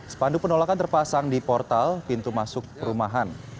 sepanduk penolakan terpasang di portal pintu masuk perumahan